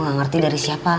gue gak ngerti dari siapa